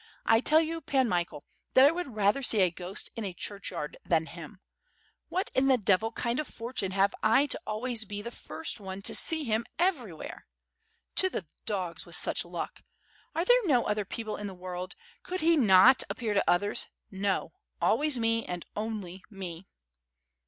I tell you. Pan Michael, that I would rather see a ghost in a churchyard than him. What in the devil kind of a fortune have I to always be the first one to see him everywhere. To the dogs with such luck! Are there no other people in the world? Could he not appear to others? No, always me, and only me."